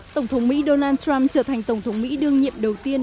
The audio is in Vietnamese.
tổng thống mỹ donald trump trở thành tổng thống mỹ đương nhiệm đầu tiên